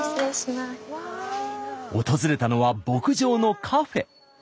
訪れたのは牧場のカフェ。